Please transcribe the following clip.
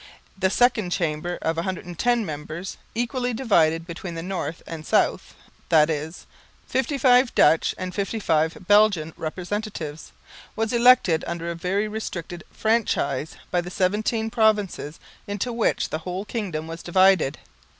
The Second Chamber of 110 members, equally divided between north and south, i.e. fifty five Dutch and fifty five Belgian representatives, was elected under a very restricted franchise by the seventeen provinces into which the whole kingdom was divided.